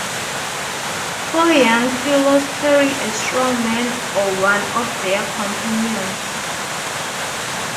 Four young fellows carry a straw-man or one of their companions.